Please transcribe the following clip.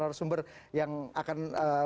yang akan menyebutkan yang menyesatkan prabowo ini